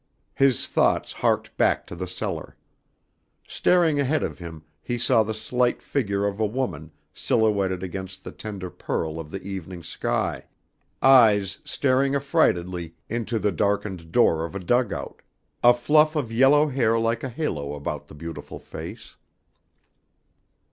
His thoughts harked back to the cellar. Staring ahead of him he saw the slight figure of a woman silhouetted against the tender pearl of the evening sky, eyes staring affrightedly into the darkened door of a dugout, a fluff of yellow hair like a halo about the beautiful face.